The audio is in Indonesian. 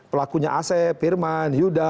pelakunya asep firman yuda